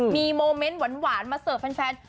มีโมเมนต์หวานมาเสิร์ฟแฟน